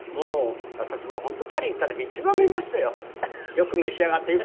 私もう本当パリ行った時一番見ましたよ。